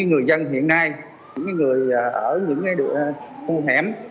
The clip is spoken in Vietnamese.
những người dân hiện nay những người ở những cái khu hẻm